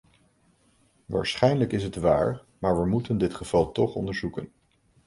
Waarschijnlijk is het waar, maar we moeten dit geval toch onderzoeken.